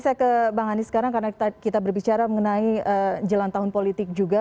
saya ke bang hanis sekarang karena kita berbicara mengenai jelang tahun politik juga